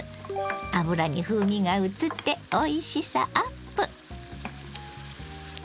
油に風味がうつっておいしさアップ。